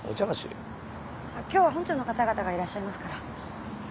今日は本庁の方々がいらっしゃいますから。